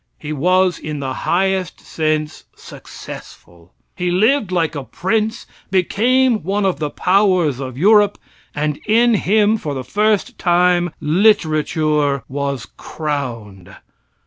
He was in the highest sense successful. He lived like a prince, became one of the powers of Europe, and in him, for the first time, literature was crowned.